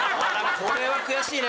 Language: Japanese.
これは悔しいね。